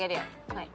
はい。